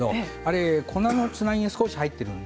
粉のつなぎが入っています。